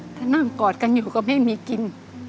ถ้านั่งกอดกันอยู่ก็ไม่มีกิน